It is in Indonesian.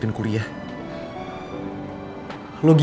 pembicara h lisih